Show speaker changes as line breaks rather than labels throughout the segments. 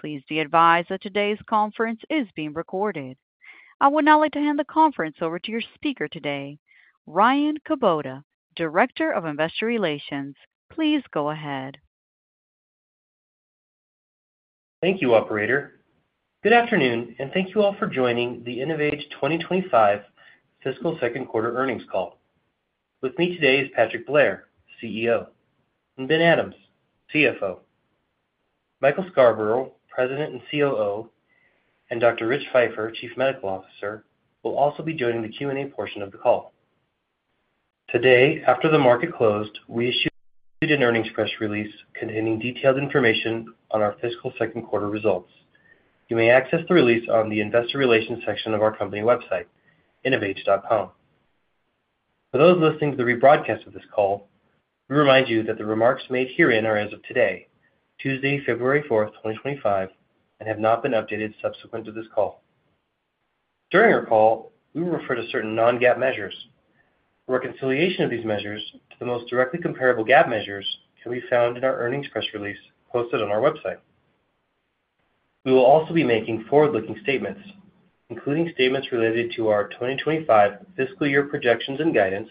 Please be advised that today's conference is being recorded. I would now like to hand the conference over to your speaker today, Ryan Kubota, Director of Investor Relations. Please go ahead.
Thank you, Operator. Good afternoon, and thank you all for joining the InnovAge 2025 Fiscal Second Quarter Earnings Call. With me today is Patrick Blair, CEO, and Ben Adams, CFO, Michael Scarbrough, President and COO, and Dr. Rich Feifer, Chief Medical Officer, who will also be joining the Q&A portion of the call. Today, after the market closed, we issued an earnings press release containing detailed information on our Fiscal Second Quarter results. You may access the release on the Investor Relations section of our company website, innovage.com. For those listening to the rebroadcast of this call, we remind you that the remarks made herein are as of today, Tuesday, February 4, 2025, and have not been updated subsequent to this call. During our call, we will refer to certain non-GAAP measures. The reconciliation of these measures to the most directly comparable GAAP measures can be found in our earnings press release posted on our website. We will also be making forward-looking statements, including statements related to our 2025 Fiscal Year projections and guidance,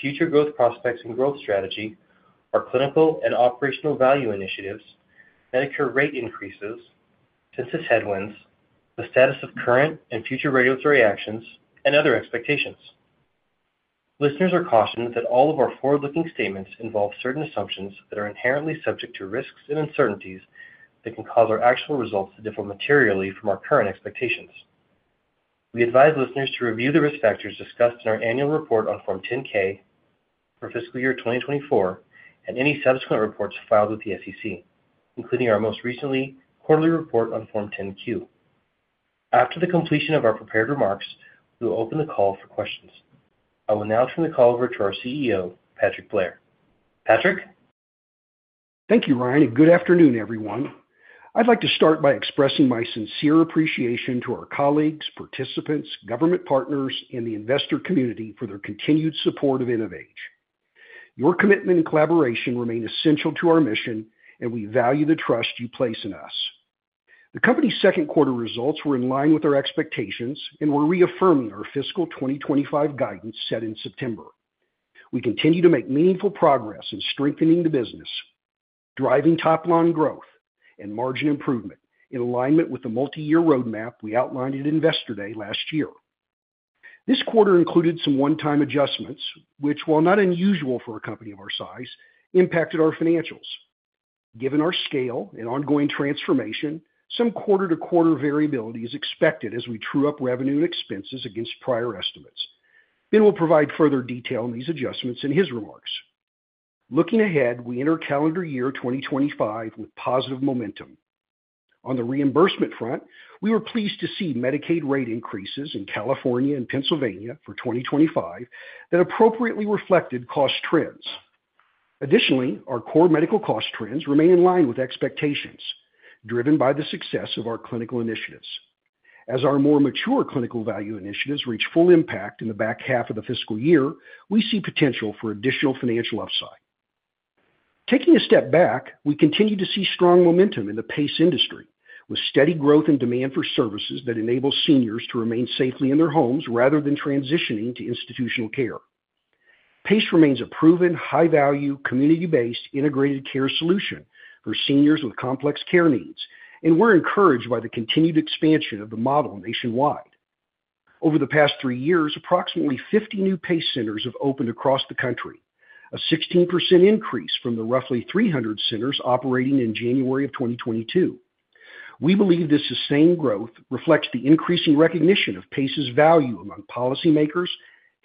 future growth prospects and growth strategy, our clinical and operational value initiatives, Medicare rate increases, census headwinds, the status of current and future regulatory actions, and other expectations. Listeners are cautioned that all of our forward-looking statements involve certain assumptions that are inherently subject to risks and uncertainties that can cause our actual results to differ materially from our current expectations. We advise listeners to review the risk factors discussed in our annual report on Form 10-K for Fiscal Year 2024 and any subsequent reports filed with the SEC, including our most recent quarterly report on Form 10-Q. After the completion of our prepared remarks, we will open the call for questions. I will now turn the call over to our CEO, Patrick Blair. Patrick?
Thank you, Ryan, and good afternoon, everyone. I'd like to start by expressing my sincere appreciation to our colleagues, participants, government partners, and the investor community for their continued support of InnovAge. Your commitment and collaboration remain essential to our mission, and we value the trust you place in us. The company's second quarter results were in line with our expectations and were reaffirming our Fiscal 2025 guidance set in September. We continue to make meaningful progress in strengthening the business, driving top-line growth and margin improvement in alignment with the multi-year roadmap we outlined at Investor Day last year. This quarter included some one-time adjustments, which, while not unusual for a company of our size, impacted our financials. Given our scale and ongoing transformation, some quarter-to-quarter variability is expected as we true up revenue and expenses against prior estimates. Ben will provide further detail on these adjustments in his remarks. Looking ahead, we enter calendar year 2025 with positive momentum. On the reimbursement front, we were pleased to see Medicaid rate increases in California and Pennsylvania for 2025 that appropriately reflected cost trends. Additionally, our core medical cost trends remain in line with expectations, driven by the success of our clinical initiatives. As our more mature clinical value initiatives reach full impact in the back half of the fiscal year, we see potential for additional financial upside. Taking a step back, we continue to see strong momentum in the PACE industry, with steady growth and demand for services that enable seniors to remain safely in their homes rather than transitioning to institutional care. PACE remains a proven, high-value, community-based integrated care solution for seniors with complex care needs, and we're encouraged by the continued expansion of the model nationwide. Over the past three years, approximately 50 new PACE centers have opened across the country, a 16% increase from the roughly 300 centers operating in January of 2022. We believe this sustained growth reflects the increasing recognition of PACE's value among policymakers,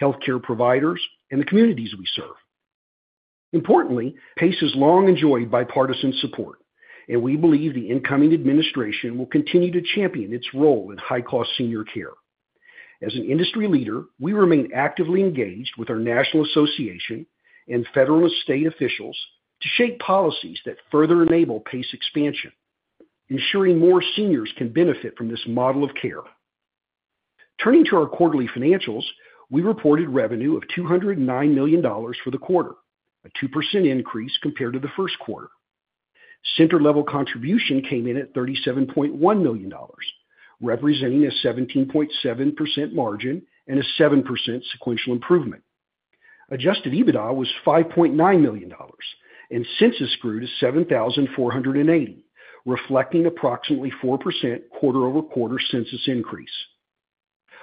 healthcare providers, and the communities we serve. Importantly, PACE has long enjoyed bipartisan support, and we believe the incoming administration will continue to champion its role in high-cost senior care. As an industry leader, we remain actively engaged with our national association and federal and state officials to shape policies that further enable PACE expansion, ensuring more seniors can benefit from this model of care. Turning to our quarterly financials, we reported revenue of $209 million for the quarter, a 2% increase compared to the first quarter. Center-level contribution came in at $37.1 million, representing a 17.7% margin and a 7% sequential improvement. Adjusted EBITDA was $5.9 million, and census grew to 7,480, reflecting approximately 4% quarter-over-quarter census increase.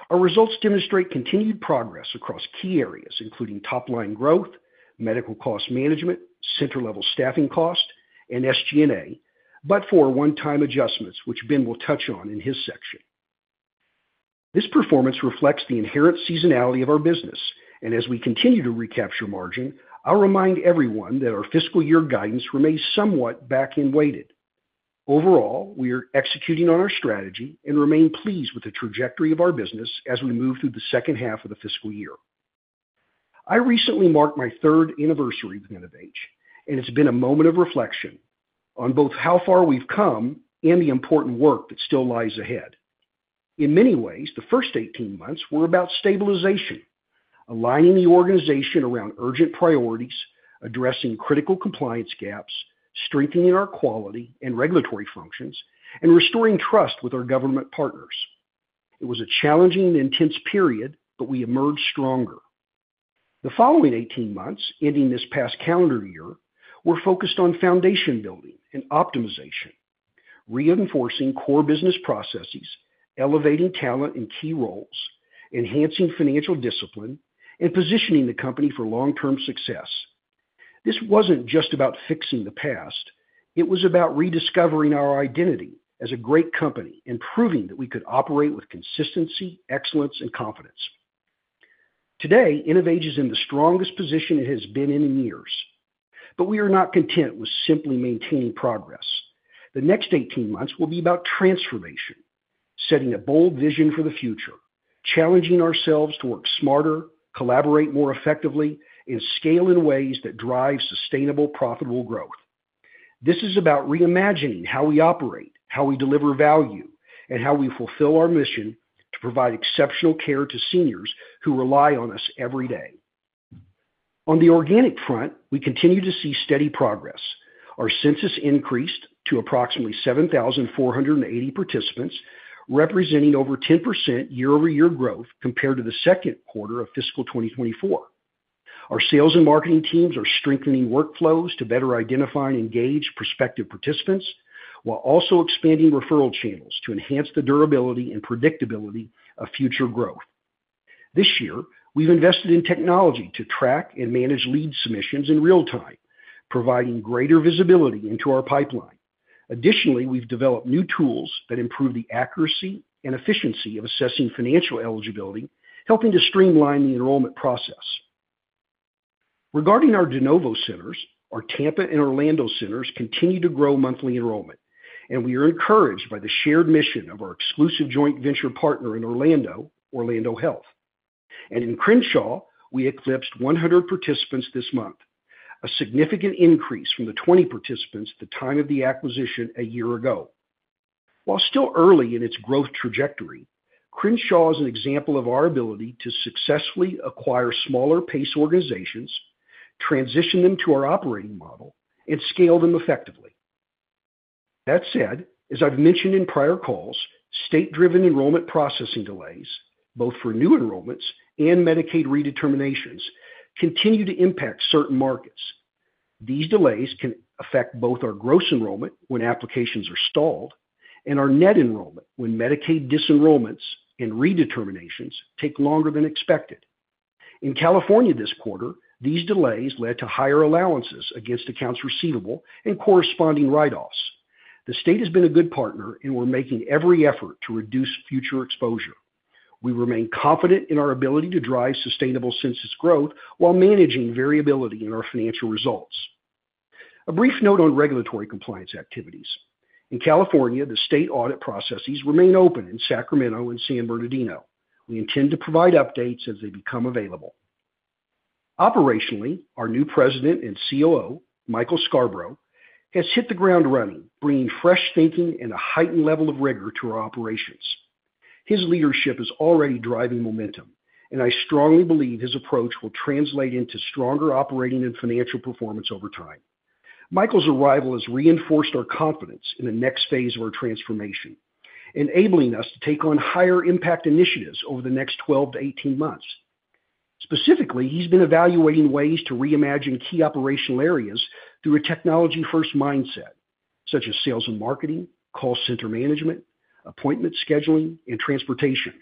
Our results demonstrate continued progress across key areas, including top-line growth, medical cost management, center-level staffing cost, and SG&A, but for one-time adjustments, which Ben will touch on in his section. This performance reflects the inherent seasonality of our business, and as we continue to recapture margin, I'll remind everyone that our fiscal year guidance remains somewhat back-weighted. Overall, we are executing on our strategy and remain pleased with the trajectory of our business as we move through the second half of the fiscal year. I recently marked my third anniversary with InnovAge, and it's been a moment of reflection on both how far we've come and the important work that still lies ahead. In many ways, the first 18 months were about stabilization, aligning the organization around urgent priorities, addressing critical compliance gaps, strengthening our quality and regulatory functions, and restoring trust with our government partners. It was a challenging and intense period, but we emerged stronger. The following 18 months, ending this past calendar year, were focused on foundation building and optimization, reinforcing core business processes, elevating talent in key roles, enhancing financial discipline, and positioning the company for long-term success. This wasn't just about fixing the past. It was about rediscovering our identity as a great company and proving that we could operate with consistency, excellence, and confidence. Today, InnovAge is in the strongest position it has been in years, but we are not content with simply maintaining progress.
The next 18 months will be about transformation, setting a bold vision for the future, challenging ourselves to work smarter, collaborate more effectively, and scale in ways that drive sustainable, profitable growth. This is about reimagining how we operate, how we deliver value, and how we fulfill our mission to provide exceptional care to seniors who rely on us every day. On the organic front, we continue to see steady progress. Our census increased to approximately 7,480 participants, representing over 10% year-over-year growth compared to the second quarter of Fiscal 2024. Our sales and marketing teams are strengthening workflows to better identify and engage prospective participants, while also expanding referral channels to enhance the durability and predictability of future growth. This year, we've invested in technology to track and manage lead submissions in real time, providing greater visibility into our pipeline. Additionally, we've developed new tools that improve the accuracy and efficiency of assessing financial eligibility, helping to streamline the enrollment process. Regarding our DeNovo centers, our Tampa and Orlando centers continue to grow monthly enrollment, and we are encouraged by the shared mission of our exclusive joint venture partner in Orlando, Orlando Health, and in Crenshaw, we eclipsed 100 participants this month, a significant increase from the 20 participants at the time of the acquisition a year ago. While still early in its growth trajectory, Crenshaw is an example of our ability to successfully acquire smaller PACE organizations, transition them to our operating model, and scale them effectively. That said, as I've mentioned in prior calls, state-driven enrollment processing delays, both for new enrollments and Medicaid redeterminations, continue to impact certain markets. These delays can affect both our gross enrollment when applications are stalled and our net enrollment when Medicaid disenrollments and redeterminations take longer than expected. In California this quarter, these delays led to higher allowances against accounts receivable and corresponding write-offs. The state has been a good partner, and we're making every effort to reduce future exposure. We remain confident in our ability to drive sustainable census growth while managing variability in our financial results. A brief note on regulatory compliance activities: in California, the state audit processes remain open in Sacramento and San Bernardino. We intend to provide updates as they become available. Operationally, our new President and COO, Michael Scarbrough, has hit the ground running, bringing fresh thinking and a heightened level of rigor to our operations. His leadership is already driving momentum, and I strongly believe his approach will translate into stronger operating and financial performance over time. Michael's arrival has reinforced our confidence in the next phase of our transformation, enabling us to take on higher-impact initiatives over the next 12-18 months. Specifically, he's been evaluating ways to reimagine key operational areas through a technology-first mindset, such as sales and marketing, call center management, appointment scheduling, and transportation.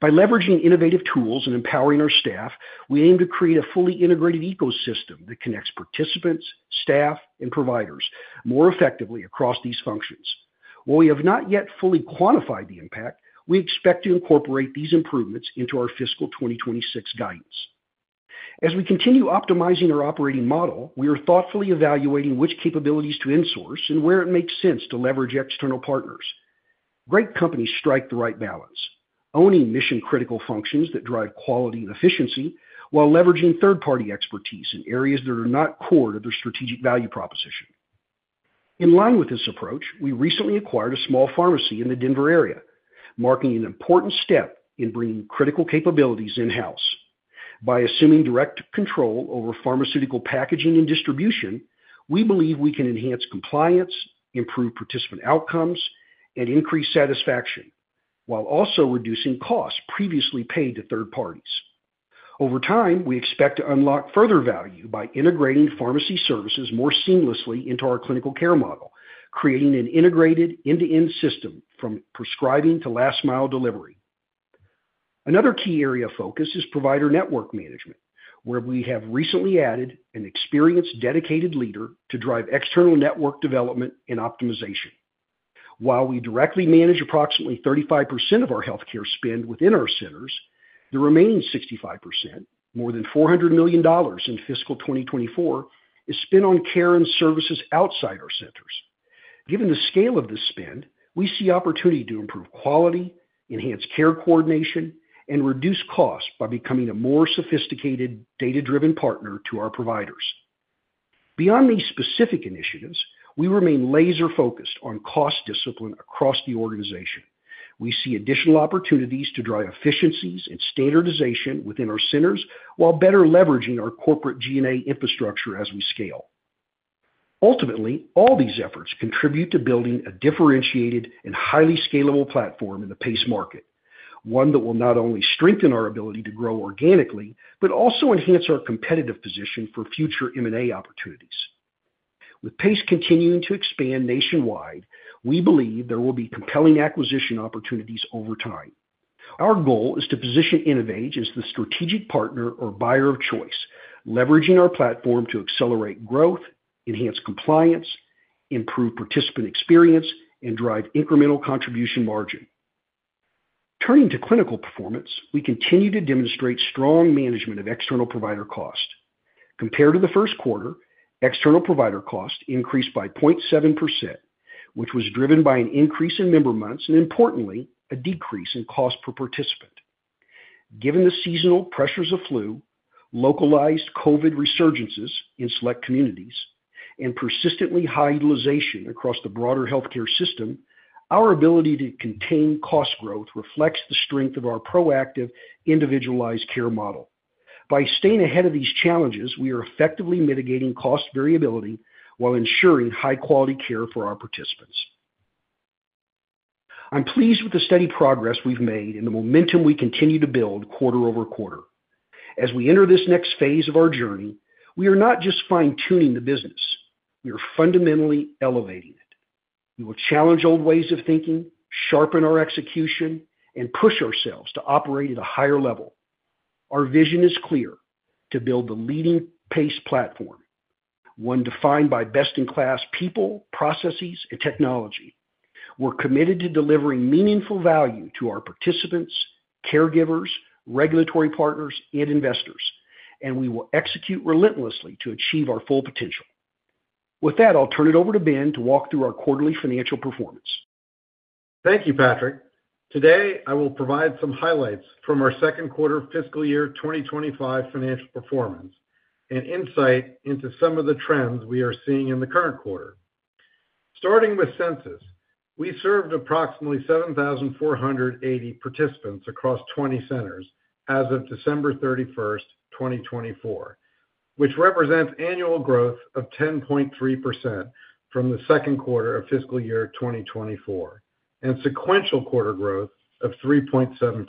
By leveraging innovative tools and empowering our staff, we aim to create a fully integrated ecosystem that connects participants, staff, and providers more effectively across these functions. While we have not yet fully quantified the impact, we expect to incorporate these improvements into our Fiscal 2026 guidance. As we continue optimizing our operating model, we are thoughtfully evaluating which capabilities to insource and where it makes sense to leverage external partners. Great companies strike the right balance, owning mission-critical functions that drive quality and efficiency while leveraging third-party expertise in areas that are not core to their strategic value proposition. In line with this approach, we recently acquired a small pharmacy in the Denver area, marking an important step in bringing critical capabilities in-house. By assuming direct control over pharmaceutical packaging and distribution, we believe we can enhance compliance, improve participant outcomes, and increase satisfaction, while also reducing costs previously paid to third parties. Over time, we expect to unlock further value by integrating pharmacy services more seamlessly into our clinical care model, creating an integrated end-to-end system from prescribing to last-mile delivery. Another key area of focus is provider network management, where we have recently added an experienced dedicated leader to drive external network development and optimization. While we directly manage approximately 35% of our healthcare spend within our centers, the remaining 65%, more than $400 million in Fiscal 2024, is spent on care and services outside our centers. Given the scale of this spend, we see opportunity to improve quality, enhance care coordination, and reduce costs by becoming a more sophisticated data-driven partner to our providers. Beyond these specific initiatives, we remain laser-focused on cost discipline across the organization. We see additional opportunities to drive efficiencies and standardization within our centers while better leveraging our corporate G&A infrastructure as we scale. Ultimately, all these efforts contribute to building a differentiated and highly scalable platform in the PACE market, one that will not only strengthen our ability to grow organically but also enhance our competitive position for future M&A opportunities. With PACE continuing to expand nationwide, we believe there will be compelling acquisition opportunities over time. Our goal is to position InnovAge as the strategic partner or buyer of choice, leveraging our platform to accelerate growth, enhance compliance, improve participant experience, and drive incremental contribution margin. Turning to clinical performance, we continue to demonstrate strong management of external provider cost. Compared to the first quarter, external provider cost increased by 0.7%, which was driven by an increase in member months and, importantly, a decrease in cost per participant. Given the seasonal pressures of flu, localized COVID resurgences in select communities, and persistently high utilization across the broader healthcare system, our ability to contain cost growth reflects the strength of our proactive, individualized care model. By staying ahead of these challenges, we are effectively mitigating cost variability while ensuring high-quality care for our participants. I'm pleased with the steady progress we've made and the momentum we continue to build quarter over quarter. As we enter this next phase of our journey, we are not just fine-tuning the business. We are fundamentally elevating it. We will challenge old ways of thinking, sharpen our execution, and push ourselves to operate at a higher level. Our vision is clear: to build the leading PACE platform, one defined by best-in-class people, processes, and technology. We're committed to delivering meaningful value to our participants, caregivers, regulatory partners, and investors, and we will execute relentlessly to achieve our full potential. With that, I'll turn it over to Ben to walk through our quarterly financial performance.
Thank you, Patrick. Today, I will provide some highlights from our second quarter of Fiscal Year 2025 financial performance and insight into some of the trends we are seeing in the current quarter. Starting with census, we served approximately 7,480 participants across 20 centers as of December 31, 2024, which represents annual growth of 10.3% from the second quarter of Fiscal Year 2024 and sequential quarter growth of 3.7%.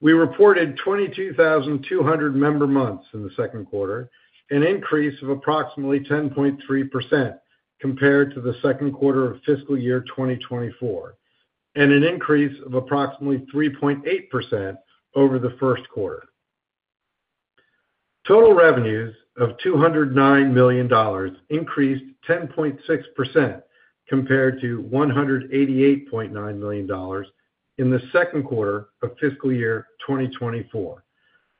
We reported 22,200 member months in the second quarter, an increase of approximately 10.3% compared to the second quarter of Fiscal Year 2024, and an increase of approximately 3.8% over the first quarter. Total revenues of $209 million increased 10.6% compared to $188.9 million in the second quarter of Fiscal Year 2024,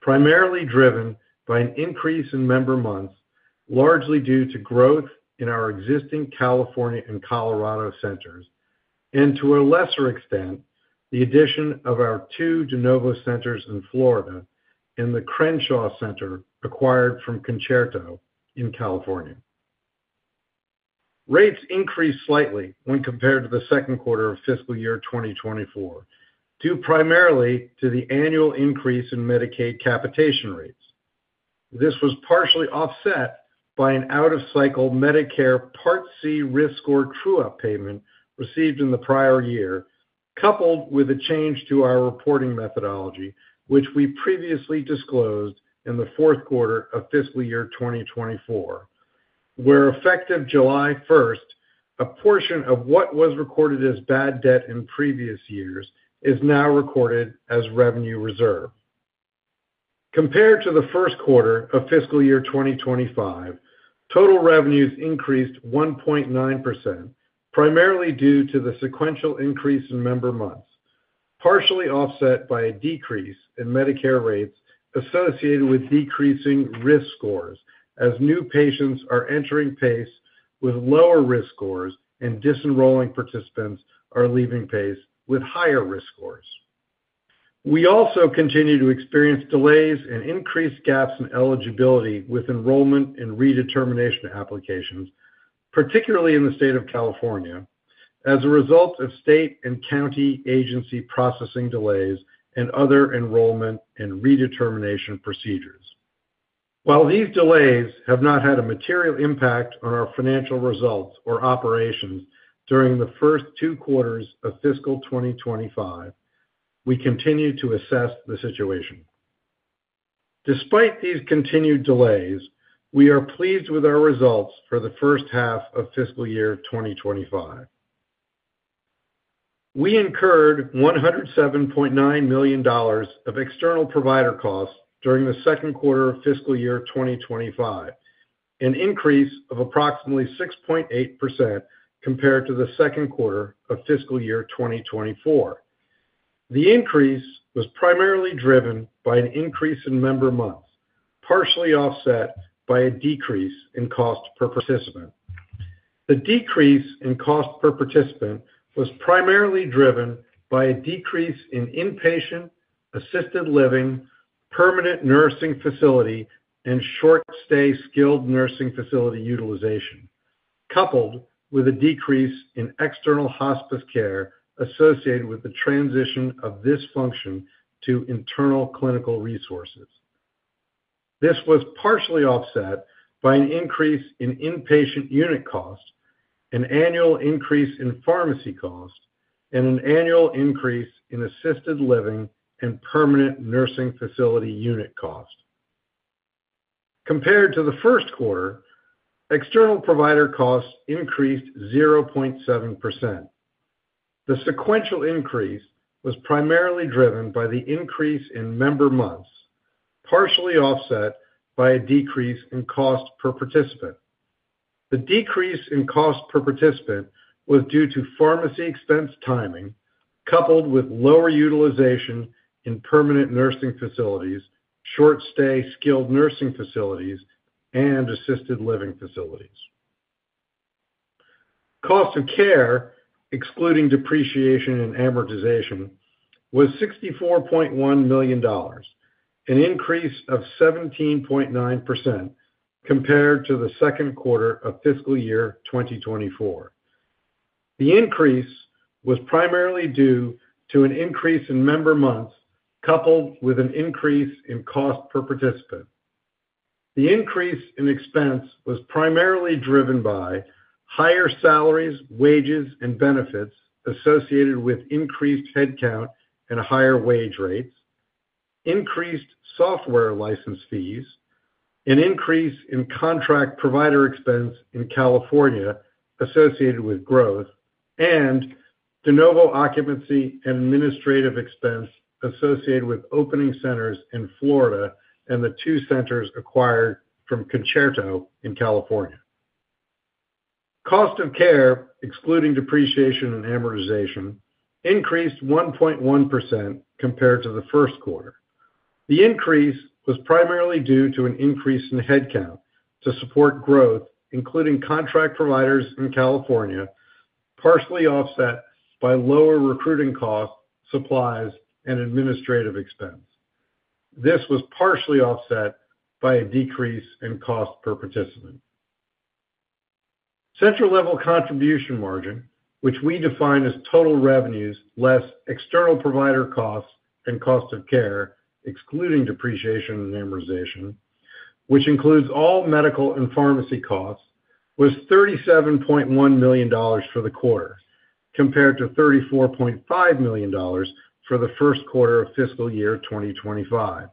primarily driven by an increase in member months, largely due to growth in our existing California and Colorado centers, and to a lesser extent, the addition of our two DeNovo centers in Florida and the Crenshaw Center acquired from Concerto in California. Rates increased slightly when compared to the second quarter of Fiscal Year 2024, due primarily to the annual increase in Medicaid capitation rates. This was partially offset by an out-of-cycle Medicare Part C risk score true-up payment received in the prior year, coupled with a change to our reporting methodology, which we previously disclosed in the fourth quarter of Fiscal Year 2024, where, effective July 1, a portion of what was recorded as bad debt in previous years is now recorded as revenue reserve. Compared to the first quarter of Fiscal Year 2025, total revenues increased 1.9%, primarily due to the sequential increase in member months, partially offset by a decrease in Medicare rates associated with decreasing risk scores, as new patients are entering PACE with lower risk scores and disenrolling participants are leaving PACE with higher risk scores. We also continue to experience delays and increased gaps in eligibility with enrollment and redetermination applications, particularly in the state of California, as a result of state and county agency processing delays and other enrollment and redetermination procedures. While these delays have not had a material impact on our financial results or operations during the first two quarters of Fiscal 2025, we continue to assess the situation. Despite these continued delays, we are pleased with our results for the first half of Fiscal Year 2025. We incurred $107.9 million of external provider costs during the second quarter of Fiscal Year 2025, an increase of approximately 6.8% compared to the second quarter of Fiscal Year 2024. The increase was primarily driven by an increase in member months, partially offset by a decrease in cost per participant. The decrease in cost per participant was primarily driven by a decrease in inpatient, assisted living, permanent nursing facility, and short-stay skilled nursing facility utilization, coupled with a decrease in external hospice care associated with the transition of this function to internal clinical resources. This was partially offset by an increase in inpatient unit cost, an annual increase in pharmacy cost, and an annual increase in assisted living and permanent nursing facility unit cost. Compared to the first quarter, external provider costs increased 0.7%. The sequential increase was primarily driven by the increase in member months, partially offset by a decrease in cost per participant. The decrease in cost per participant was due to pharmacy expense timing, coupled with lower utilization in permanent nursing facilities, short-stay skilled nursing facilities, and assisted living facilities. Cost of care, excluding depreciation and amortization, was $64.1 million, an increase of 17.9% compared to the second quarter of Fiscal Year 2024. The increase was primarily due to an increase in member months, coupled with an increase in cost per participant. The increase in expense was primarily driven by higher salaries, wages, and benefits associated with increased headcount and higher wage rates, increased software license fees, an increase in contract provider expense in California associated with growth, and DeNovo occupancy and administrative expense associated with opening centers in Florida and the two centers acquired from Concerto in California. Cost of care, excluding depreciation and amortization, increased 1.1% compared to the first quarter. The increase was primarily due to an increase in headcount to support growth, including contract providers in California, partially offset by lower recruiting costs, supplies, and administrative expense. This was partially offset by a decrease in cost per participant. Center-level contribution margin, which we define as total revenues less external provider costs and cost of care, excluding depreciation and amortization, which includes all medical and pharmacy costs, was $37.1 million for the quarter, compared to $34.5 million for the first quarter of Fiscal Year 2025.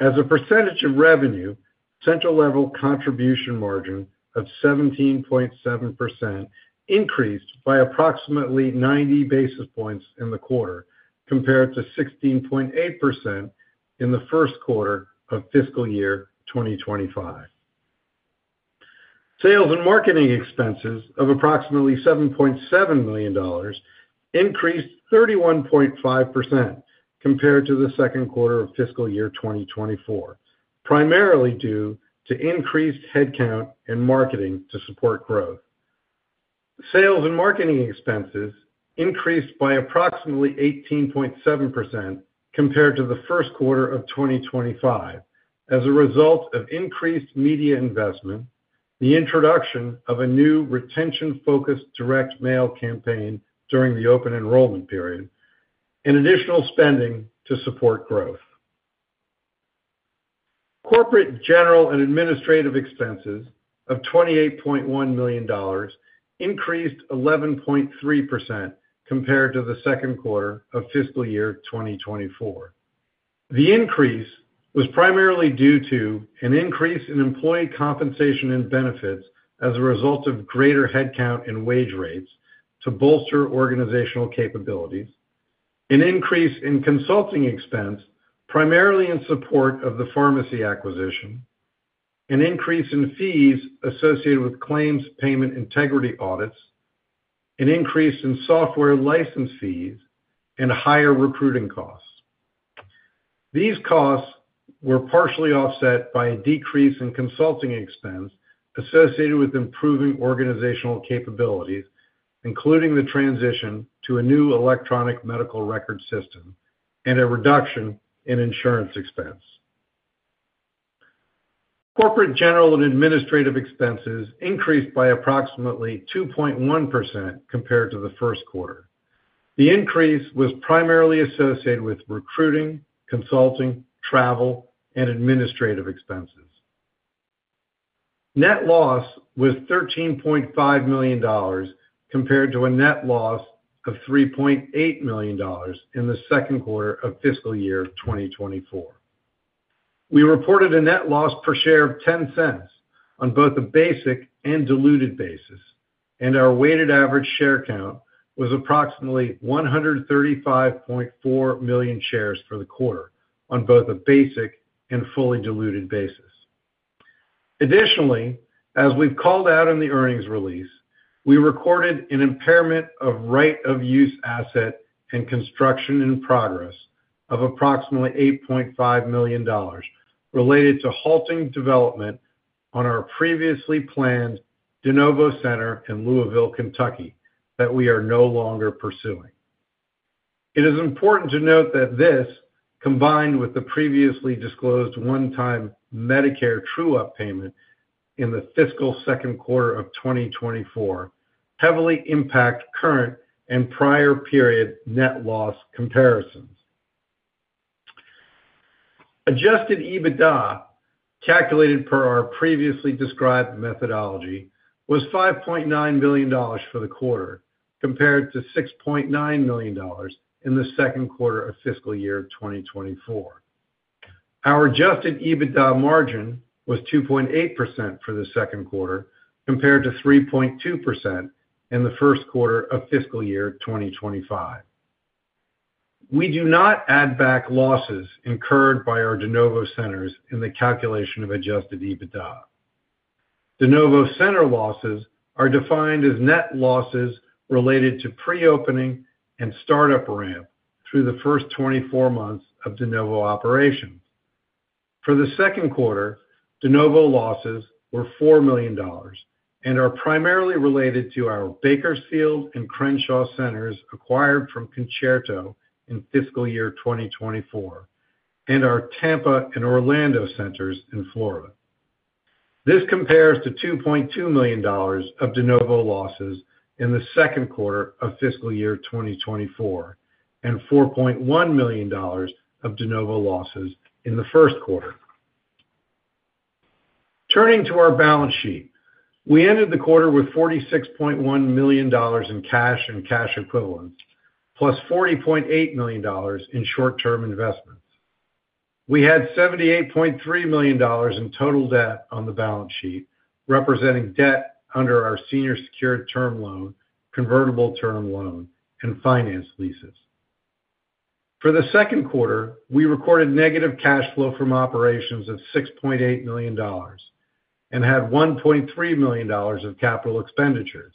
As a percentage of revenue, center-level contribution margin of 17.7% increased by approximately 90 basis points in the quarter, compared to 16.8% in the first quarter of Fiscal Year 2025. Sales and marketing expenses of approximately $7.7 million increased 31.5% compared to the second quarter of Fiscal Year 2024, primarily due to increased headcount and marketing to support growth. Sales and marketing expenses increased by approximately 18.7% compared to the first quarter of 2025, as a result of increased media investment, the introduction of a new retention-focused direct mail campaign during the open enrollment period, and additional spending to support growth. Corporate general and administrative expenses of $28.1 million increased 11.3% compared to the second quarter of Fiscal Year 2024. The increase was primarily due to an increase in employee compensation and benefits as a result of greater headcount and wage rates to bolster organizational capabilities, an increase in consulting expense primarily in support of the pharmacy acquisition, an increase in fees associated with claims payment integrity audits, an increase in software license fees, and higher recruiting costs. These costs were partially offset by a decrease in consulting expense associated with improving organizational capabilities, including the transition to a new electronic medical record system and a reduction in insurance expense. Corporate general and administrative expenses increased by approximately 2.1% compared to the first quarter. The increase was primarily associated with recruiting, consulting, travel, and administrative expenses. Net loss was $13.5 million compared to a net loss of $3.8 million in the second quarter of Fiscal Year 2024. We reported a net loss per share of $0.10 on both a basic and diluted basis, and our weighted average share count was approximately 135.4 million shares for the quarter on both a basic and fully diluted basis. Additionally, as we've called out in the earnings release, we recorded an impairment of right-of-use asset and construction in progress of approximately $8.5 million related to halting development on our previously planned DeNovo Center in Louisville, Kentucky, that we are no longer pursuing. It is important to note that this, combined with the previously disclosed one-time Medicare true-up payment in the fiscal second quarter of 2024, heavily impacts current and prior period net loss comparisons. Adjusted EBITDA, calculated per our previously described methodology, was $5.9 million for the quarter, compared to $6.9 million in the second quarter of Fiscal Year 2024. Our adjusted EBITDA margin was 2.8% for the second quarter, compared to 3.2% in the first quarter of Fiscal Year 2025. We do not add back losses incurred by our DeNovo centers in the calculation of adjusted EBITDA. DeNovo center losses are defined as net losses related to pre-opening and startup ramp through the first 24 months of DeNovo operations. For the second quarter, DeNovo losses were $4 million and are primarily related to our Bakersfield and Crenshaw centers acquired from Concerto in Fiscal Year 2024 and our Tampa and Orlando centers in Florida. This compares to $2.2 million of DeNovo losses in the second quarter of Fiscal Year 2024 and $4.1 million of DeNovo losses in the first quarter. Turning to our balance sheet, we ended the quarter with $46.1 million in cash and cash equivalents, plus $40.8 million in short-term investments. We had $78.3 million in total debt on the balance sheet, representing debt under our senior secured term loan, convertible term loan, and finance leases. For the second quarter, we recorded negative cash flow from operations of $6.8 million and had $1.3 million of capital expenditures.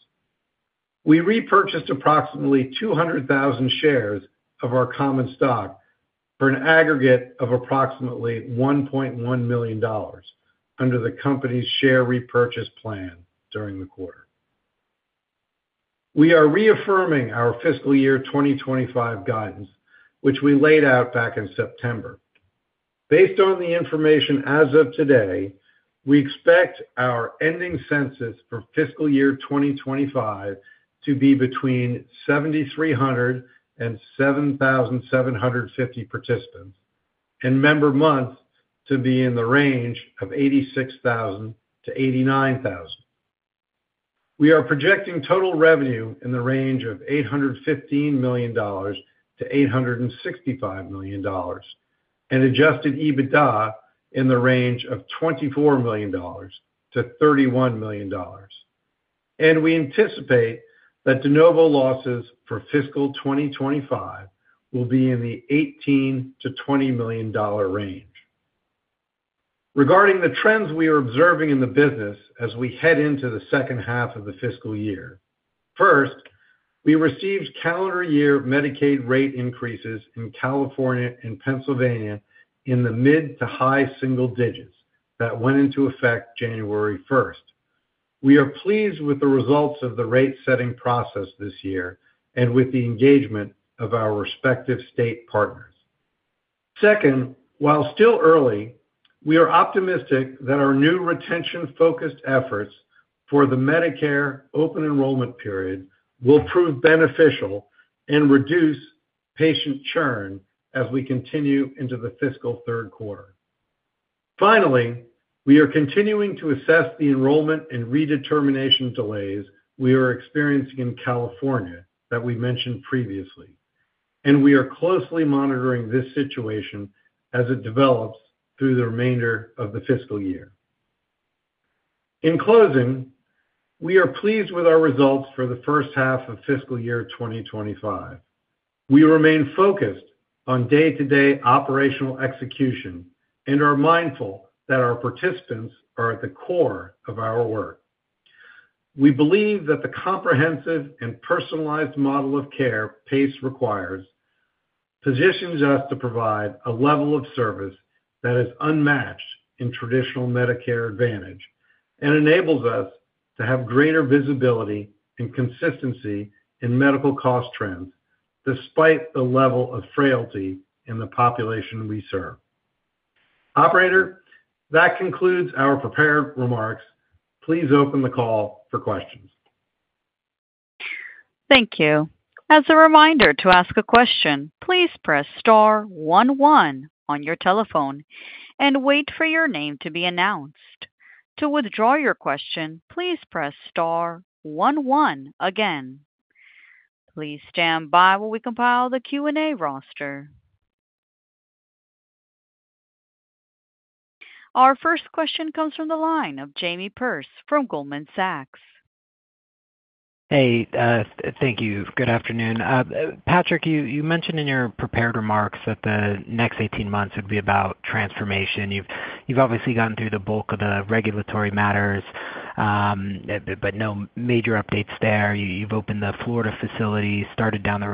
We repurchased approximately 200,000 shares of our common stock for an aggregate of approximately $1.1 million under the company's share repurchase plan during the quarter. We are reaffirming our Fiscal Year 2025 guidance, which we laid out back in September. Based on the information as of today, we expect our ending census for Fiscal Year 2025 to be between 7,300 and 7,750 participants, and member months to be in the range of 86,000-89,000. We are projecting total revenue in the range of $815-$865 million and Adjusted EBITDA in the range of $24-$31 million, and we anticipate that DeNovo losses for fiscal 2025 will be in the $18-$20 million range. Regarding the trends we are observing in the business as we head into the second half of the fiscal year, first, we received calendar year Medicaid rate increases in California and Pennsylvania in the mid to high single digits that went into effect January 1st. We are pleased with the results of the rate-setting process this year and with the engagement of our respective state partners. Second, while still early, we are optimistic that our new retention-focused efforts for the Medicare open enrollment period will prove beneficial and reduce patient churn as we continue into the fiscal third quarter. Finally, we are continuing to assess the enrollment and redetermination delays we are experiencing in California that we mentioned previously, and we are closely monitoring this situation as it develops through the remainder of the fiscal year. In closing, we are pleased with our results for the first half of fiscal year 2025. We remain focused on day-to-day operational execution and are mindful that our participants are at the core of our work. We believe that the comprehensive and personalized model of care PACE requires positions us to provide a level of service that is unmatched in traditional Medicare Advantage and enables us to have greater visibility and consistency in medical cost trends despite the level of frailty in the population we serve. Operator, that concludes our prepared remarks. Please open the call for questions.
Thank you. As a reminder, to ask a question, please press star one one on your telephone and wait for your name to be announced. To withdraw your question, please press star 11 again. Please stand by while we compile the Q&A roster. Our first question comes from the line of Jamie Perse from Goldman Sachs.
Hey, thank you. Good afternoon. Patrick, you mentioned in your prepared remarks that the next 18 months would be about transformation. You've obviously gotten through the bulk of the regulatory matters, but no major updates there. You've opened the Florida facilities, started down the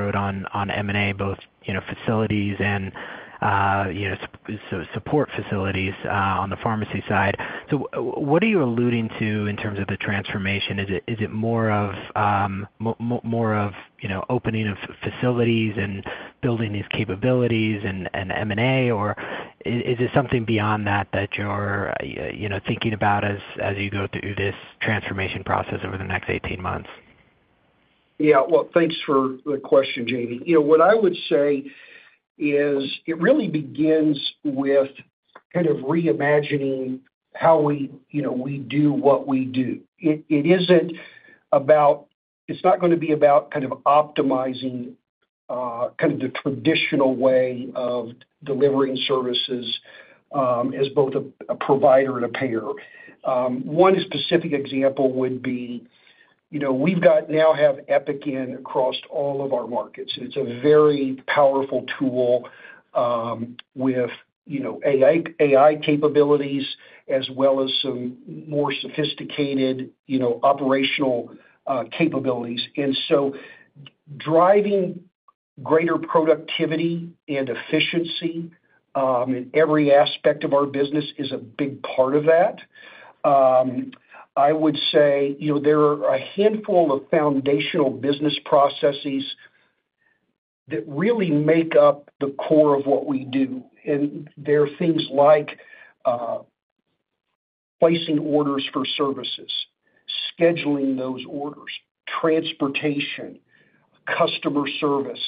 road on M&A, both facilities and support facilities on the pharmacy side. So what are you alluding to in terms of the transformation? Is it more of opening of facilities and building these capabilities and M&A, or is it something beyond that that you're thinking about as you go through this transformation process over the next 18 months?
Yeah. Well, thanks for the question, Jamie. What I would say is it really begins with kind of reimagining how we do what we do. It's not going to be about kind of optimizing kind of the traditional way of delivering services as both a provider and a payer. One specific example would be we now have Epic in across all of our markets. It's a very powerful tool with AI capabilities as well as some more sophisticated operational capabilities. And so driving greater productivity and efficiency in every aspect of our business is a big part of that. I would say there are a handful of foundational business processes that really make up the core of what we do. And there are things like placing orders for services, scheduling those orders, transportation, customer service.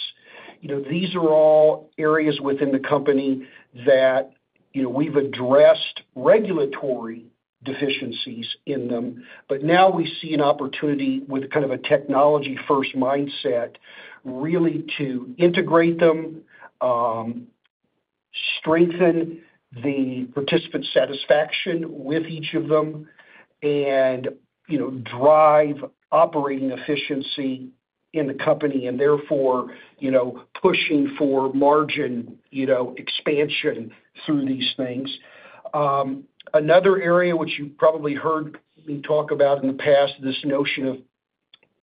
These are all areas within the company that we've addressed regulatory deficiencies in them, but now we see an opportunity with kind of a technology-first mindset really to integrate them, strengthen the participant satisfaction with each of them, and drive operating efficiency in the company, and therefore pushing for margin expansion through these things. Another area, which you've probably heard me talk about in the past, this notion of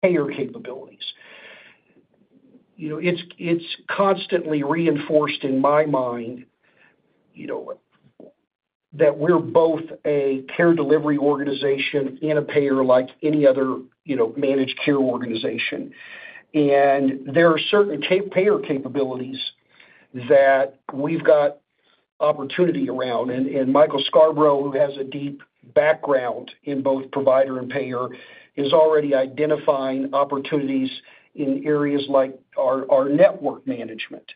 payer capabilities. It's constantly reinforced in my mind that we're both a care delivery organization and a payer like any other managed care organization, and there are certain payer capabilities that we've got opportunity around. And Michael Scarbrough, who has a deep background in both provider and payer, is already identifying opportunities in areas like our network management,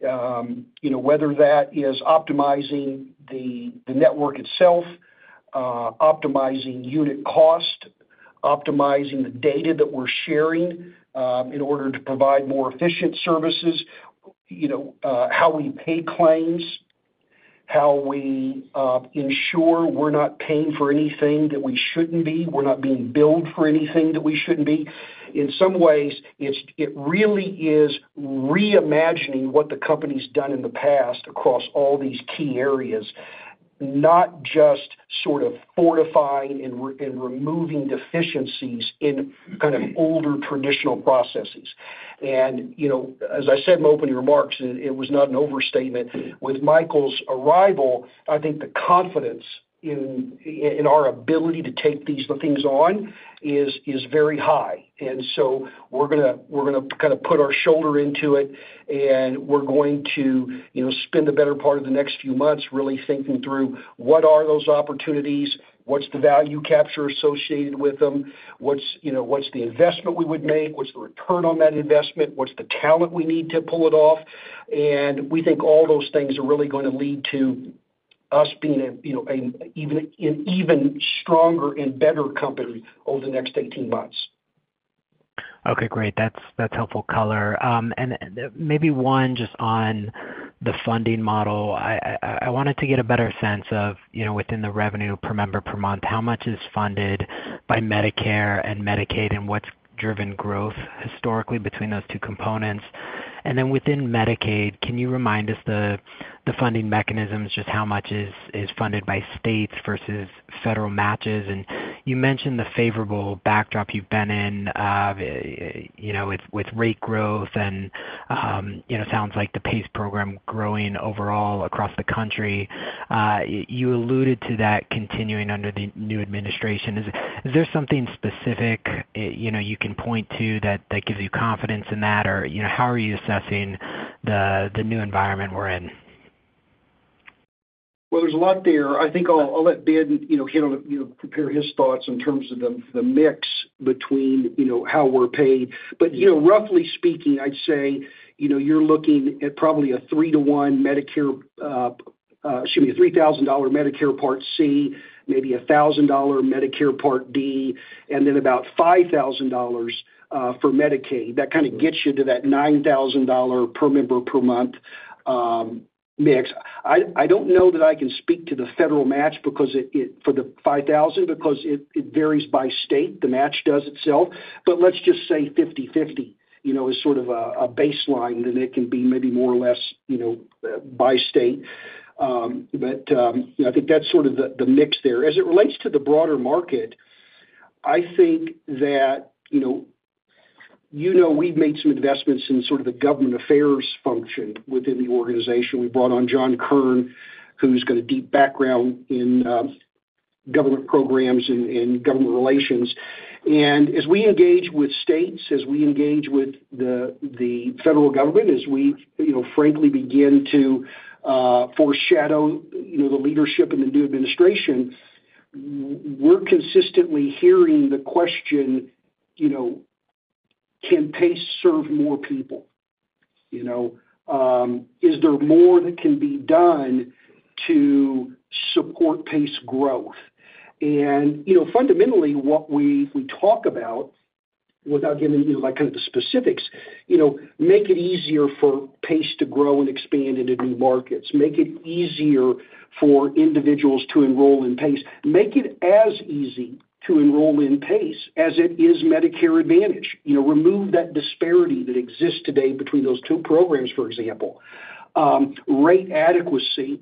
whether that is optimizing the network itself, optimizing unit cost, optimizing the data that we're sharing in order to provide more efficient services, how we pay claims, how we ensure we're not paying for anything that we shouldn't be, we're not being billed for anything that we shouldn't be. In some ways, it really is reimagining what the company's done in the past across all these key areas, not just sort of fortifying and removing deficiencies in kind of older traditional processes. And as I said in my opening remarks, and it was not an overstatement, with Michael's arrival, I think the confidence in our ability to take these things on is very high. And so we're going to kind of put our shoulder into it, and we're going to spend the better part of the next few months really thinking through what are those opportunities, what's the value capture associated with them, what's the investment we would make, what's the return on that investment, what's the talent we need to pull it off. And we think all those things are really going to lead to us being an even stronger and better company over the next 18 months.
Okay. Great. That's helpful color. And maybe one just on the funding model. I wanted to get a better sense of within the revenue per member per month, how much is funded by Medicare and Medicaid, and what's driven growth historically between those two components? And then within Medicaid, can you remind us the funding mechanisms, just how much is funded by states versus federal matches? And you mentioned the favorable backdrop you've been in with rate growth, and it sounds like the PACE program growing overall across the country. You alluded to that continuing under the new administration. Is there something specific you can point to that gives you confidence in that, or how are you assessing the new environment we're in?
There's a lot there. I think I'll let Ben hit on prepare his thoughts in terms of the mix between how we're paid. But roughly speaking, I'd say you're looking at probably a three-to-one Medicare, excuse me, $3,000 Medicare Part C, maybe $1,000 Medicare Part D, and then about $5,000 for Medicaid. That kind of gets you to that $9,000 per member per month mix. I don't know that I can speak to the federal match for the $5,000 because it varies by state. The match does itself. But let's just say 50/50 is sort of a baseline, then it can be maybe more or less by state. But I think that's sort of the mix there. As it relates to the broader market, I think that you know we've made some investments in sort of the government affairs function within the organization. We brought on John Kern, who's got a deep background in government programs and government relations. And as we engage with states, as we engage with the federal government, as we frankly begin to foreshadow the leadership in the new administration, we're consistently hearing the question, "Can PACE serve more people? Is there more that can be done to support PACE growth?" And fundamentally, what we talk about, without giving you kind of the specifics, make it easier for PACE to grow and expand into new markets. Make it easier for individuals to enroll in PACE. Make it as easy to enroll in PACE as it is Medicare Advantage. Remove that disparity that exists today between those two programs, for example. Rate adequacy.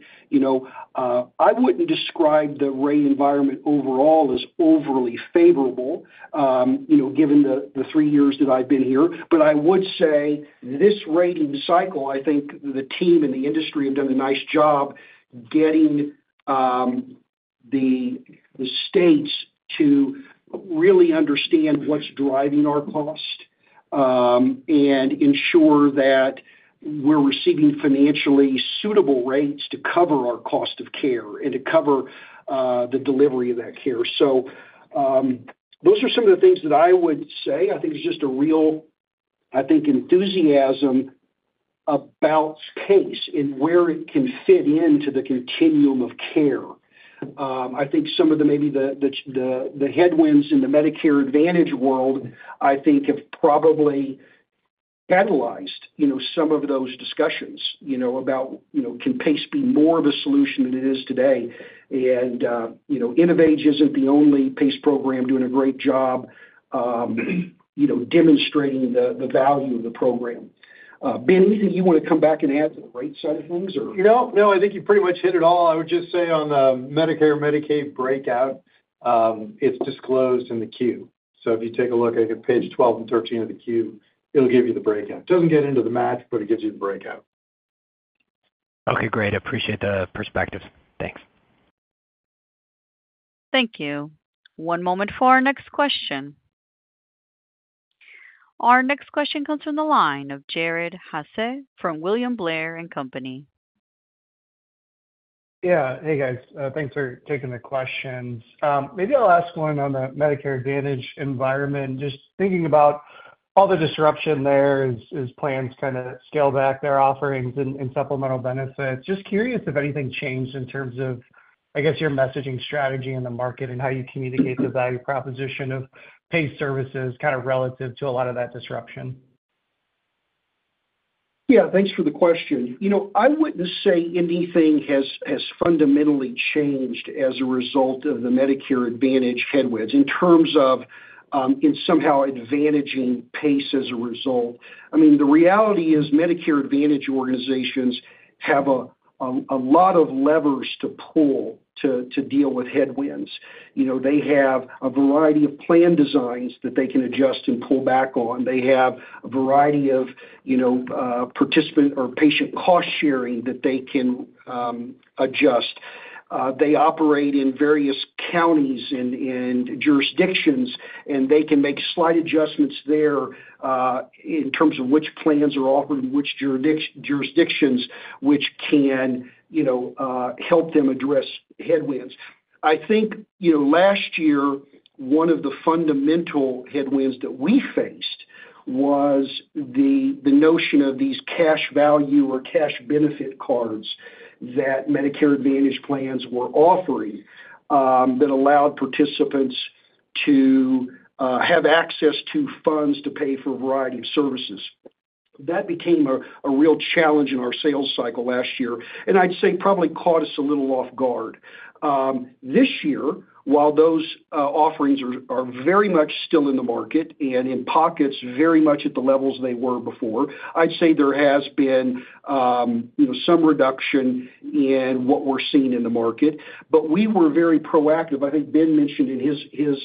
I wouldn't describe the rate environment overall as overly favorable given the three years that I've been here, but I would say this rating cycle, I think the team and the industry have done a nice job getting the states to really understand what's driving our cost and ensure that we're receiving financially suitable rates to cover our cost of care and to cover the delivery of that care, so those are some of the things that I would say. I think it's just a real, I think, enthusiasm about PACE and where it can fit into the continuum of care. I think some of the headwinds in the Medicare Advantage world, I think, have probably analyzed some of those discussions about, "Can PACE be more of a solution than it is today?" And InnovAge isn't the only PACE program doing a great job demonstrating the value of the program. Ben, do you want to come back and add to the right side of things, or?
No, I think you pretty much hit it all. I would just say on the Medicare/Medicaid breakout, it's disclosed in the Q. So if you take a look at page 12 and 13 of the Q, it'll give you the breakout. It doesn't get into the math, but it gives you the breakout.
Okay. Great. I appreciate the perspective. Thanks.
Thank you. One moment for our next question. Our next question comes from the line of Jared Haase from William Blair & Company.
Yeah. Hey, guys. Thanks for taking the questions. Maybe I'll ask one on the Medicare Advantage environment. Just thinking about all the disruption there as plans kind of scale back their offerings and supplemental benefits, just curious if anything changed in terms of, I guess, your messaging strategy in the market and how you communicate the value proposition of PACE services kind of relative to a lot of that disruption.
Yeah. Thanks for the question. I wouldn't say anything has fundamentally changed as a result of the Medicare Advantage headwinds in terms of somehow advantaging PACE as a result. I mean, the reality is Medicare Advantage organizations have a lot of levers to pull to deal with headwinds. They have a variety of plan designs that they can adjust and pull back on. They have a variety of participant or patient cost sharing that they can adjust. They operate in various counties and jurisdictions, and they can make slight adjustments there in terms of which plans are offered in which jurisdictions, which can help them address headwinds. I think last year, one of the fundamental headwinds that we faced was the notion of these cash value or cash benefit cards that Medicare Advantage plans were offering that allowed participants to have access to funds to pay for a variety of services. That became a real challenge in our sales cycle last year, and I'd say probably caught us a little off guard. This year, while those offerings are very much still in the market and in pockets very much at the levels they were before, I'd say there has been some reduction in what we're seeing in the market. But we were very proactive. I think Ben mentioned in his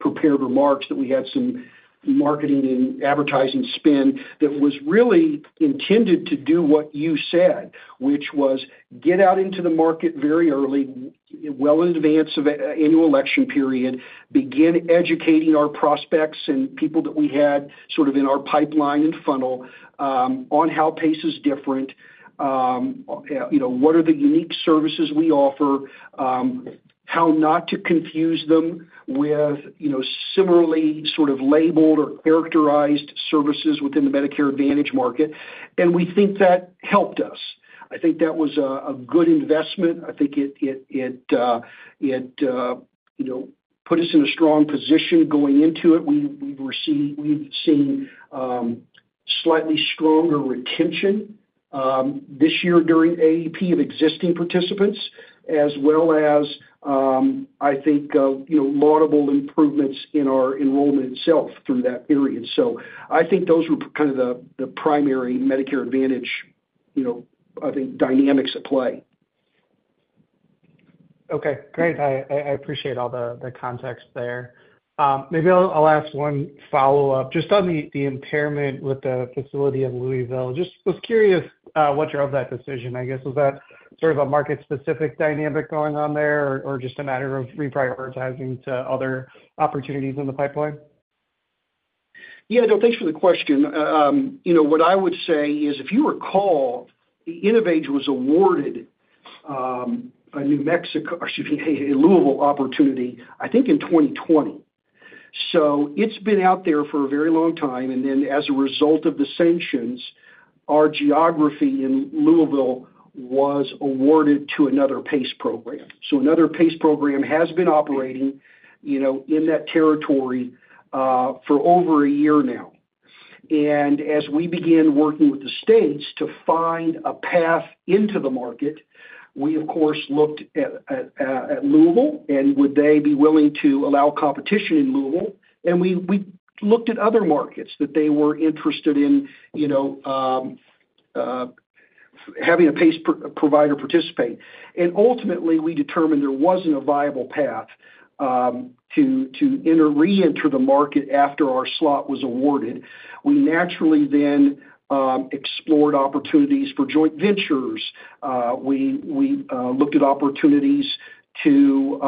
prepared remarks that we had some marketing and advertising spend that was really intended to do what you said, which was get out into the market very early, well in advance of annual enrollment period, begin educating our prospects and people that we had sort of in our pipeline and funnel on how PACE is different, what are the unique services we offer, how not to confuse them with similarly sort of labeled or characterized services within the Medicare Advantage market, and we think that helped us. I think that was a good investment. I think it put us in a strong position going into it. We've seen slightly stronger retention this year during AEP of existing participants, as well as, I think, laudable improvements in our enrollment itself through that period. So I think those were kind of the primary Medicare Advantage, I think, dynamics at play.
Okay. Great. I appreciate all the context there. Maybe I'll ask one follow-up just on the impairment with the facility in Louisville. Just was curious what drove that decision. I guess was that sort of a market-specific dynamic going on there or just a matter of reprioritizing to other opportunities in the pipeline?
Yeah. No, thanks for the question. What I would say is, if you recall, InnovAge was awarded a New Mexico, excuse me, a Louisville opportunity, I think, in 2020. So it's been out there for a very long time. And then as a result of the sanctions, our geography in Louisville was awarded to another PACE program. So another PACE program has been operating in that territory for over a year now. And as we began working with the states to find a path into the market, we, of course, looked at Louisville and would they be willing to allow competition in Louisville. And we looked at other markets that they were interested in having a PACE provider participate. And ultimately, we determined there wasn't a viable path to re-enter the market after our slot was awarded. We naturally then explored opportunities for joint ventures. We looked at opportunities to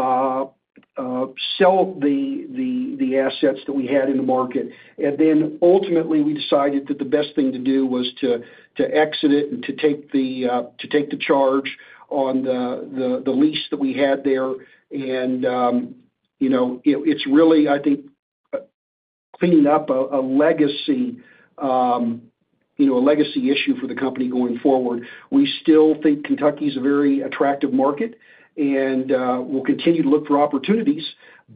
sell the assets that we had in the market. And then ultimately, we decided that the best thing to do was to exit it and to take the charge on the lease that we had there. And it's really, I think, cleaning up a legacy issue for the company going forward. We still think Kentucky is a very attractive market, and we'll continue to look for opportunities,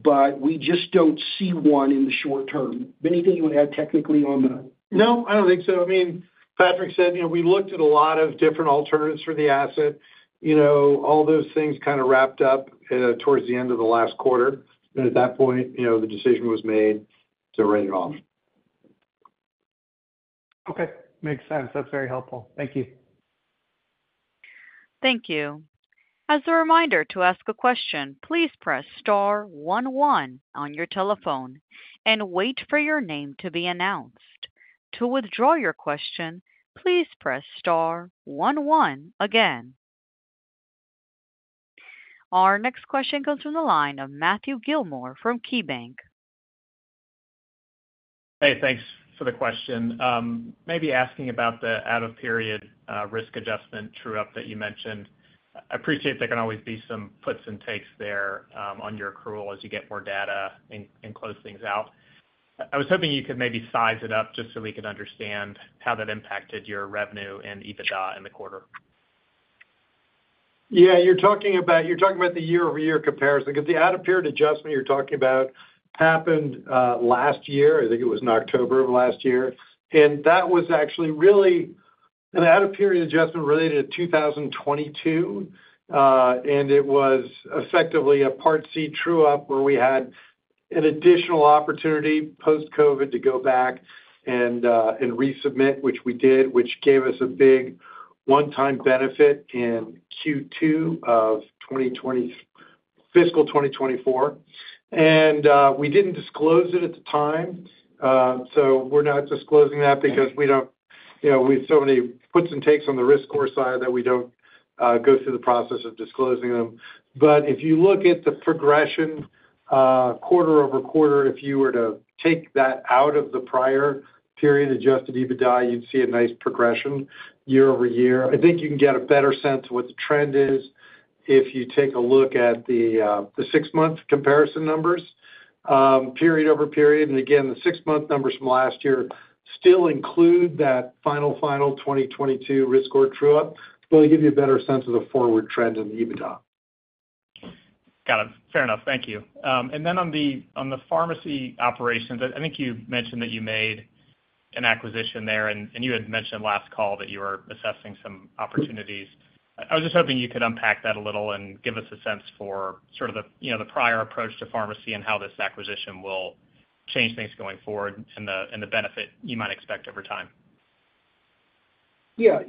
but we just don't see one in the short term. Anything you want to add technically on the?
No, I don't think so. I mean, Patrick said we looked at a lot of different alternatives for the asset. All those things kind of wrapped up towards the end of the last quarter. And at that point, the decision was made to write it off.
Okay. Makes sense. That's very helpful. Thank you.
Thank you. As a reminder to ask a question, please press star one one on your telephone and wait for your name to be announced. To withdraw your question, please press star 1-1 again. Our next question comes from the line of Matthew Gillmor from KeyBanc.
Hey, thanks for the question. Maybe asking about the out-of-period risk adjustment true-up that you mentioned. I appreciate there can always be some puts and takes there on your accrual as you get more data and close things out. I was hoping you could maybe size it up just so we could understand how that impacted your revenue and EBITDA in the quarter.
Yeah. You're talking about the year-over-year comparison because the out-of-period adjustment you're talking about happened last year. I think it was in October of last year. And that was actually really an out-of-period adjustment related to 2022. And it was effectively a Part C true-up where we had an additional opportunity post-COVID to go back and resubmit, which we did, which gave us a big one-time benefit in Q2 of fiscal 2024. And we didn't disclose it at the time. So we're not disclosing that because we don't, we have so many puts and takes on the risk score side that we don't go through the process of disclosing them. But if you look at the progression quarter over quarter, if you were to take that out of the prior period adjusted EBITDA, you'd see a nice progression year over year. I think you can get a better sense of what the trend is if you take a look at the six-month comparison numbers period over period. And again, the six-month numbers from last year still include that final, final 2022 risk score true-up. It'll give you a better sense of the forward trend in the EBITDA.
Got it. Fair enough. Thank you. And then on the pharmacy operations, I think you mentioned that you made an acquisition there, and you had mentioned last call that you were assessing some opportunities. I was just hoping you could unpack that a little and give us a sense for sort of the prior approach to pharmacy and how this acquisition will change things going forward and the benefit you might expect over time.
Yeah.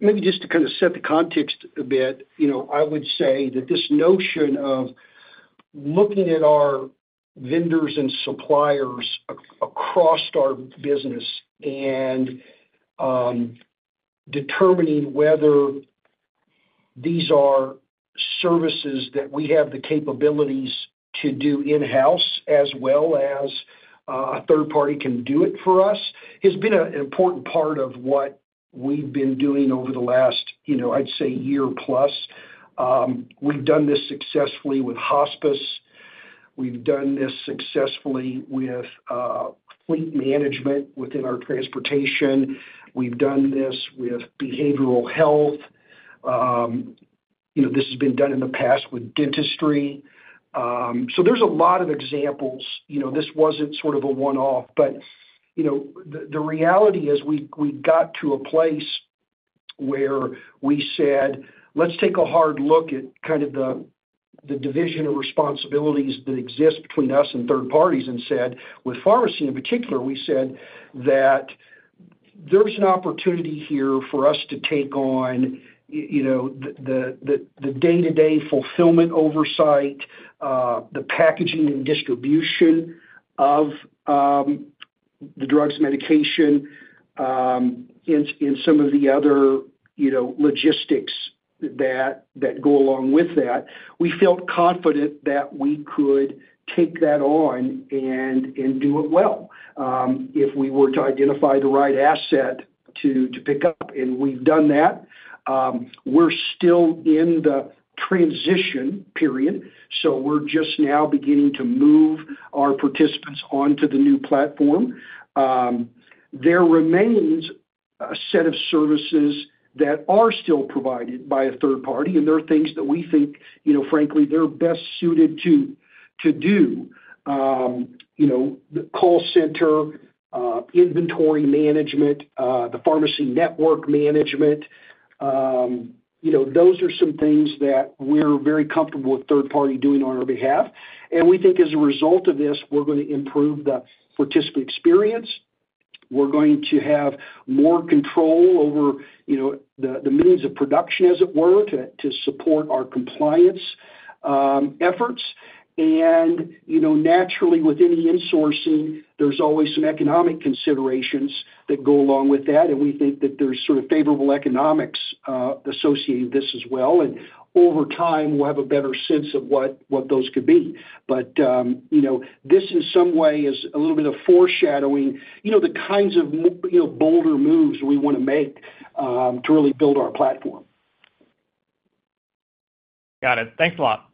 Maybe just to kind of set the context a bit, I would say that this notion of looking at our vendors and suppliers across our business and determining whether these are services that we have the capabilities to do in-house as well as a third party can do it for us has been an important part of what we've been doing over the last, I'd say, year-plus. We've done this successfully with hospice. We've done this successfully with fleet management within our transportation. We've done this with behavioral health. This has been done in the past with dentistry. So there's a lot of examples. This wasn't sort of a one-off. But the reality is we got to a place where we said, "Let's take a hard look at kind of the division of responsibilities that exists between us and third parties," and said with pharmacy in particular, we said that there's an opportunity here for us to take on the day-to-day fulfillment oversight, the packaging and distribution of the drugs, medication, and some of the other logistics that go along with that. We felt confident that we could take that on and do it well if we were to identify the right asset to pick up. And we've done that. We're still in the transition period. So we're just now beginning to move our participants onto the new platform. There remains a set of services that are still provided by a third party, and there are things that we think, frankly, they're best suited to do: the call center, inventory management, the pharmacy network management. Those are some things that we're very comfortable with third party doing on our behalf. And we think as a result of this, we're going to improve the participant experience. We're going to have more control over the means of production, as it were, to support our compliance efforts. And naturally, with any insourcing, there's always some economic considerations that go along with that. And we think that there's sort of favorable economics associated with this as well. And over time, we'll have a better sense of what those could be. But this in some way is a little bit of foreshadowing the kinds of bolder moves we want to make to really build our platform.
Got it. Thanks a lot.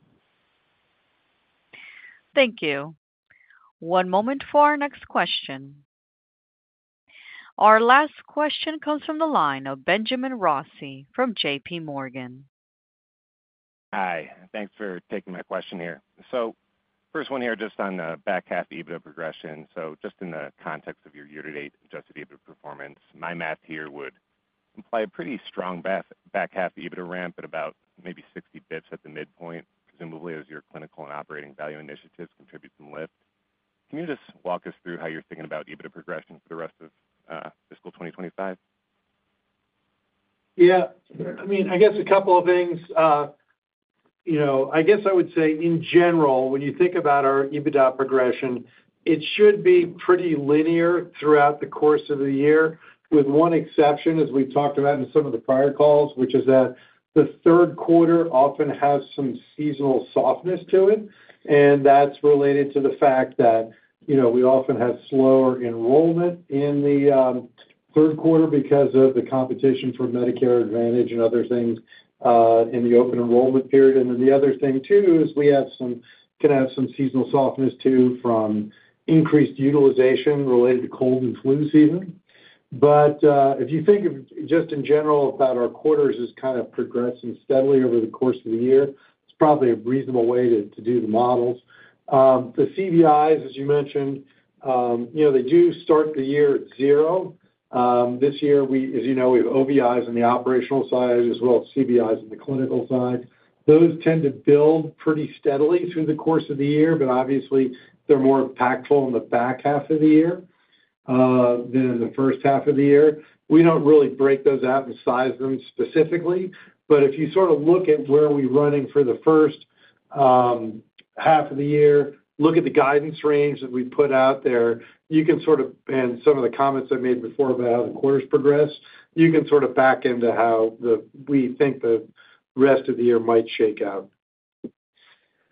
Thank you. One moment for our next question. Our last question comes from the line of Benjamin Rossi from J.P. Morgan.
Hi. Thanks for taking my question here. So first one here just on the back half EBITDA progression. So just in the context of your year-to-date adjusted EBITDA performance, my math here would imply a pretty strong back half EBITDA ramp at about maybe 60 basis points at the midpoint, presumably as your clinical and operating value initiatives contribute some lift. Can you just walk us through how you're thinking about EBITDA progression for the rest of fiscal 2025?
Yeah. I mean, I guess a couple of things. I guess I would say, in general, when you think about our EBITDA progression, it should be pretty linear throughout the course of the year, with one exception, as we've talked about in some of the prior calls, which is that the third quarter often has some seasonal softness to it. And that's related to the fact that we often have slower enrollment in the third quarter because of the competition for Medicare Advantage and other things in the open enrollment period. And then the other thing too is we can have some seasonal softness too from increased utilization related to cold and flu season. But if you think of just in general about our quarters as kind of progressing steadily over the course of the year, it's probably a reasonable way to do the models. The CVIs, as you mentioned, they do start the year at zero. This year, as you know, we have OVIs on the operational side as well as CVIs on the clinical side. Those tend to build pretty steadily through the course of the year, but obviously, they're more impactful in the back half of the year than in the first half of the year. We don't really break those out and size them specifically. But if you sort of look at where we're running for the first half of the year, look at the guidance range that we put out there, you can sort of, and some of the comments I made before about how the quarters progress, you can sort of back into how we think the rest of the year might shake out.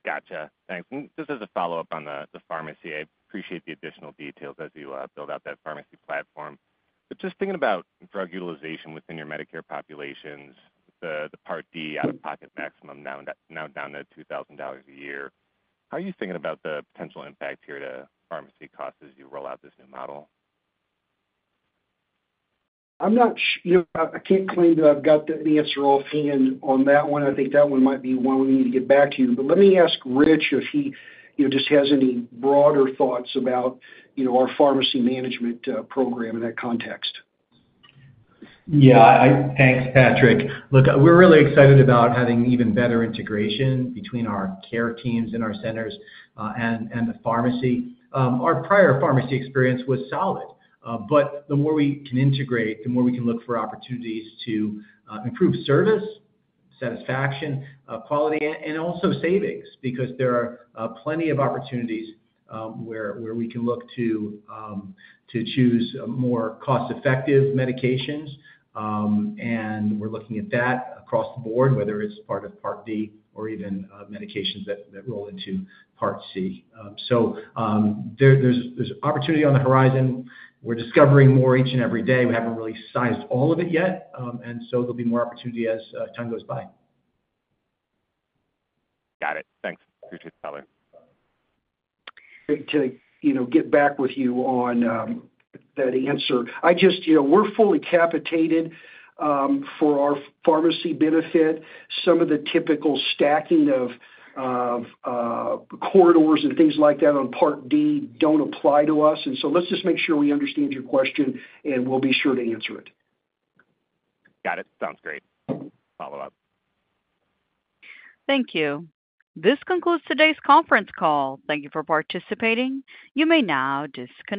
Gotcha. Thanks. This is a follow-up on the pharmacy. I appreciate the additional details as you build out that pharmacy platform. But just thinking about drug utilization within your Medicare populations, the Part D out-of-pocket maximum now down to $2,000 a year, how are you thinking about the potential impact here to pharmacy costs as you roll out this new model?
I can't claim that I've got any answer offhand on that one. I think that one might be one we need to get back to you. But let me ask Rich if he just has any broader thoughts about our pharmacy management program in that context.
Yeah. Thanks, Patrick. Look, we're really excited about having even better integration between our care teams in our centers and the pharmacy. Our prior pharmacy experience was solid. But the more we can integrate, the more we can look for opportunities to improve service, satisfaction, quality, and also savings because there are plenty of opportunities where we can look to choose more cost-effective medications. And we're looking at that across the board, whether it's part of Part D or even medications that roll into Part C. So there's opportunity on the horizon. We're discovering more each and every day. We haven't really sized all of it yet. And so there'll be more opportunity as time goes by.
Got it. Thanks. Appreciate it, Tyler.
To get back with you on that answer, we're fully capitated for our pharmacy benefit. Some of the typical stacking of corridors and things like that on Part D don't apply to us. And so let's just make sure we understand your question, and we'll be sure to answer it.
Got it. Sounds great. Follow-up.
Thank you. This concludes today's conference call. Thank you for participating. You may now disconnect.